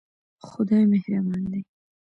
خدای مهربان دی